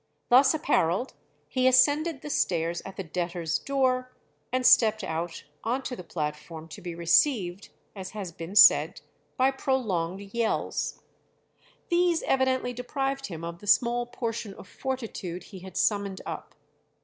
Thus apparelled he ascended the stairs at the debtors' door, and stepped out on to the platform, to be received, as has been said, by prolonged yells. These evidently deprived him of the small portion of fortitude he had summoned up.